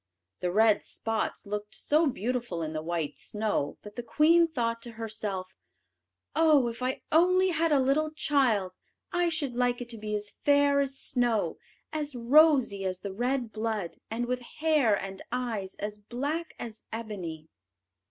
The red spots looked so beautiful in the white snow that the queen thought to herself: "Oh, if I only had a little child, I should like it to be as fair as snow, as rosy as the red blood, and with hair and eyes as black as ebony."